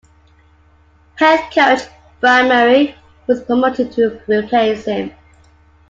Head coach Bryan Murray was promoted to replace him.